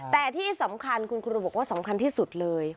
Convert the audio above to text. แต่ที่สำคัญคุณครูบอกว่าสำคัญที่สุดเลย